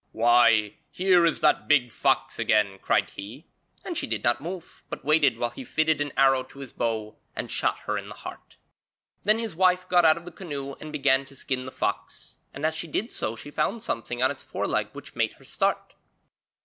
'Why, here is that big fox again,' cried he, and she did not move, but waited while he fitted an arrow to his bow and shot her in the heart. Then his wife got out of the canoe and began to skin the fox, and as she did so she found something on its foreleg which made her start.